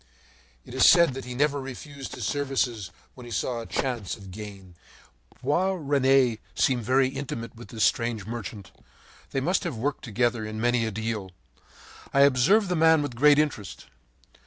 It was said that he never refused his services when he saw a chance of gain. Boisrene seemed very intimate with this strange merchant. They must have worked together in many a deal. I observed the man with great interest.